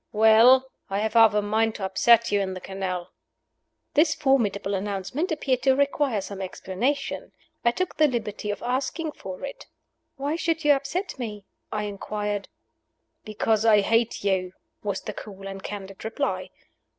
"Well, I have half a mind to upset you in the canal." This formidable announcement appeared to require some explanation. I took the liberty of asking for it. "Why should you upset me?" I inquired. "Because I hate you," was the cool and candid reply.